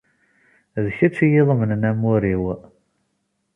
D kečč i iyi-iḍemnen amur-iw.